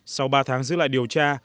sau ba tháng giữ lại điều tra